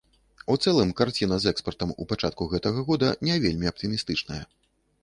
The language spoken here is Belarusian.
У цэлым карціна з экспартам у пачатку гэтага года не вельмі аптымістычная.